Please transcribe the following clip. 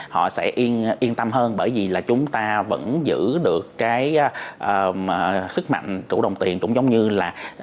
họ sẽ yên tâm hơn bởi vì là chúng ta vẫn giữ được cái sức mạnh chủ đồng tiền cũng giống như là